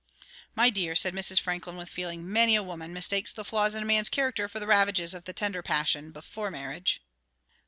"My dear," said Mrs. Franklin, with feeling, "many a woman mistakes the flaws in a man's character for the ravages of the tender passion before marriage."